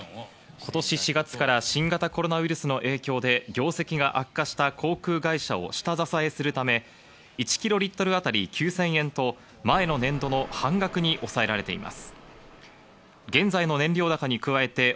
今年４月から新型コロナウイルスの影響で業績が悪化した航空会社を下支えするため、１キロリットル当たり９０００円と前の年度の半額に抑えられています。